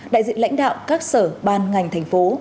đại diện lãnh đạo các sở ban ngành thành phố